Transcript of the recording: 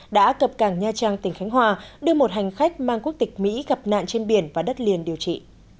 đã cập cảng nha trang tỉnh khánh hòa đưa một hành khách mang quốc tịch mỹ gặp nạn trên biển và đất liền điều trị